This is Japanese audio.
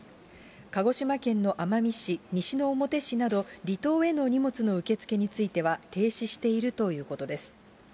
鹿児島県の奄美市、西之表市など、離島への荷物の受け付けについては停止しているということです。